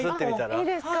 いいですか？